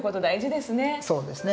そうですね。